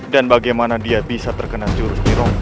dan bagaimana dia bisa terkena jurus di roma